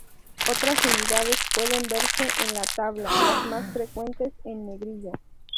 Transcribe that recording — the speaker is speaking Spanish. Otras unidades pueden verse en la tabla, las más frecuentes en negrilla.